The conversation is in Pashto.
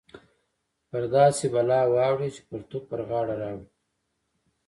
پر داسې بلا واوړې چې پرتوګ پر غاړه راوړې